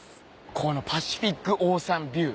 このパシフィックオーシャンビュー。